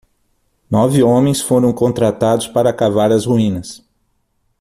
Nove homens foram contratados para cavar as ruínas.